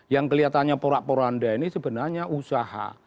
yang kelihatannya porak poro anda ini sebenarnya usaha